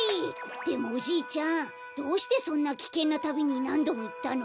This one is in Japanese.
でもおじいちゃんどうしてそんなきけんなたびになんどもいったの？